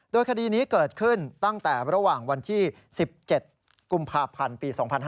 โดยคดีนี้เกิดขึ้นตั้งแต่ระหว่างวันที่๑๗กภ๒๕๕๒